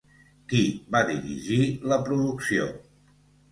Qui va dirigir la producció?